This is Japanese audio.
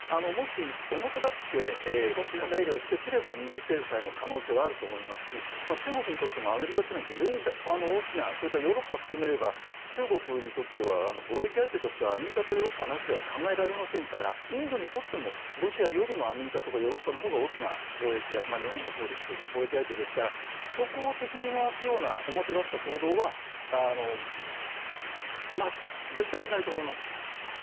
もし表立って肩入れをしてくれば二次制裁の可能性はあると思いますし中国にとってもアメリカというのは非常に大きなそれからヨーロッパを含めれば中国にとっては貿易相手としてはアメリカとかヨーロッパなしでは考えられませんからインドにとってもロシアよりもアメリカとかヨーロッパのほうが日本もそうですが貿易相手ですからそこを敵に回すような表立った行動は絶対しないと思います。